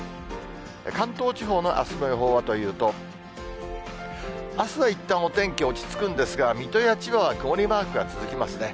関東地方のあすの予報はというと、あすはいったんお天気落ち着くんですが、水戸や千葉は曇りマークが続きますね。